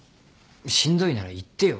しんどいなら言ってよ。